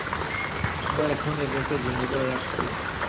আমরা এখন ওদেরকে জিম্মি করে রাখছি?